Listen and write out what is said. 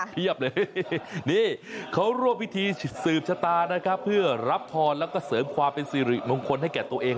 เพื่อรับทองและเสริงความเป็นสิริมงคลให้แก่ตัวเอง